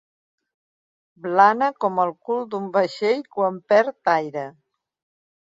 Blana com el cul d'un vaixell quan perd aire.